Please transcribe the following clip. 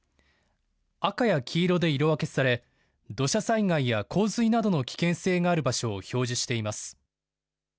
赤や黄色で色分けされ土砂災害や洪水などの危険性がある場所を表示しています。